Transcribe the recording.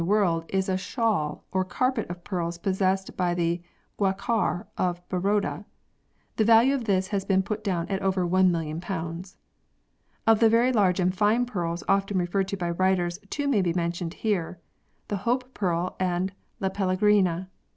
the world is a shawl or carpet of pearls possessed by the Gaikwar of Baroda. The value of this has been put down as over 1,000,000. Of the very large and fine pearls often referred to by writers, two may be mentioned here, the Hope Pearl and La Pellegrina.